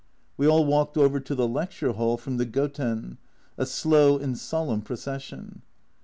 We all walked over to the Lecture Hall from the Goten a slow and solemn procession.